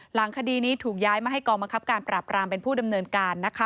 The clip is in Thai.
หลังคดีนี้ถูกย้ายมาให้กองบังคับการปราบรามเป็นผู้ดำเนินการ